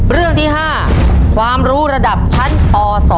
เรื่องที่๕ความรู้ระดับชั้นป๒